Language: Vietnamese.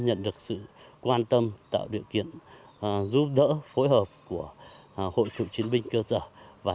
nhận được sự quan tâm tạo điều kiện giúp đỡ phối hợp của hội cựu chiến binh cơ sở và